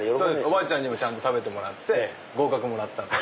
おばあちゃんにも食べてもらって合格もらったんで。